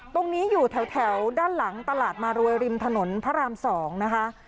ตรงนี้อยู่แถวด้านหลังตลาดมารวยริมถนนพระราม๒นะคะ